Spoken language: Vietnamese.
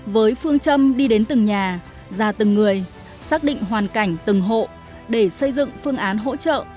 với phương châm đi đến từng nhà ra từng người xác định hoàn cảnh từng hộ để xây dựng phương án hỗ trợ